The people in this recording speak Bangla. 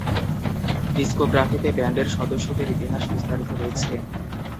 ডিস্কোগ্রাফিতে ব্যান্ডের সদস্যদের ইতিহাস বিস্তারিত রয়েছে।